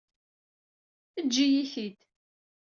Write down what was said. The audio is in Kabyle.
Eǧǧ-iyi-t-id.